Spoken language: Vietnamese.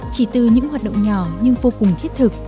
chỉ từ những hoạt động nhỏ nhưng vô cùng thiết thực